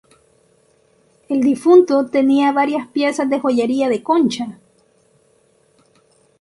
El difunto tenía varias piezas de joyería de concha.